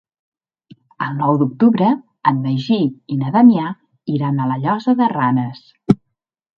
El nou d'octubre en Magí i na Damià iran a la Llosa de Ranes.